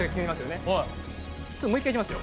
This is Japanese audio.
もう一回いきますよ？